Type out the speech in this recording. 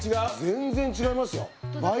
全然違いますよ。